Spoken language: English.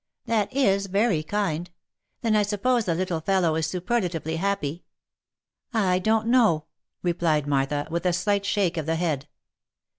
" That is very kind. Then I suppose the little fellow is superlatively happy?" I don't know," replied Martha, with a slight shake of the head.